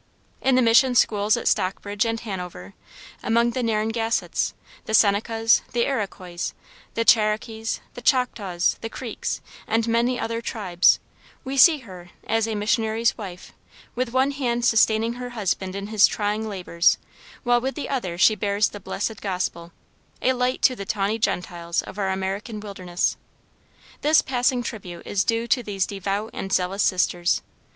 In the mission schools at Stockbridge and Hanover; among the Narragansetts, the Senecas, the Iroquois, the Cherokees, the Choctaws, the Creeks, and many other tribes, we see her, as a missionary's wife, with one hand sustaining her husband in his trying labors, while with the other she bears the blessed gospel a light to the tawny Gentiles of our American wilderness. This passing tribute is due to these devout and zealous sisters.